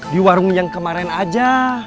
di warung yang kemarin aja